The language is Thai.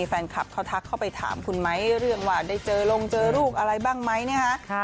แฟนคลับเขาทักเข้าไปถามคุณไหมเรื่องว่าได้เจอลงเจอลูกอะไรบ้างไหมนะฮะ